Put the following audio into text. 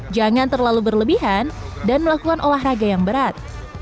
jangan terlalu berlebihan dan melakukan olahraga yang berat